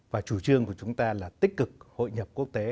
và chủ trương của chúng ta là tích cực hội nhập quốc tế